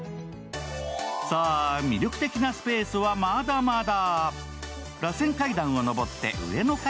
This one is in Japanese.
魅力的なスペースはまだまだ。